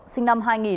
sinh năm hai nghìn